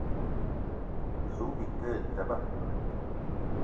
Zouga bike e teba.